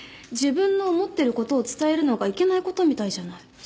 自分の思ってる事を伝えるのがいけない事みたいじゃない。